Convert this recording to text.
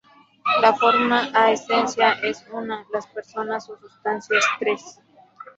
La forma o esencia es una, las personas o sustancias tres.